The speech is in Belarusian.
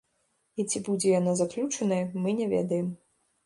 І ці будзе яна заключаная, мы не ведаем.